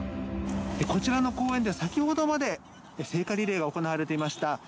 こちらの公園では先ほどまで聖火リレーが行われていました。